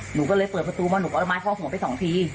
หนูก็เลยเปิดประตูมาหนูเอาไม้ท่อหัวไปสองที